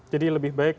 jadi lebih baik